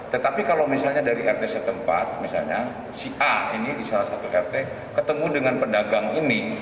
tetapi kalau misalnya dari rt setempat misalnya si a ini di salah satu rt ketemu dengan pedagang ini